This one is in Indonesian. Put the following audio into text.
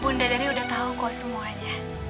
bunda dari udah tahu kok semuanya